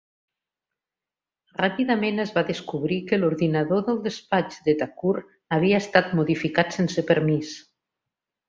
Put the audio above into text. Ràpidament es va descobrir que l'ordinador del despatx de Thakur havia estat modificat sense permís.